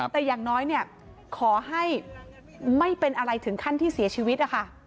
แต่อย่างน้อยเนี่ยขอให้ไม่เป็นอะไรถึงขั้นที่เสียชีวิตนะคะ